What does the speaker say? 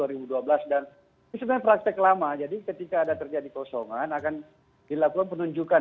ini sebenarnya praktek lama jadi ketika ada terjadi kosongan akan dilakukan penunjukan